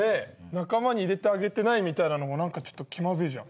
仲間に入れてあげてないみたいなのも何かちょっと気まずいじゃん。